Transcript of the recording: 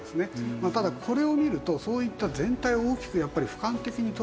まあただこれを見るとそういった全体を大きくやっぱり俯瞰的に撮る。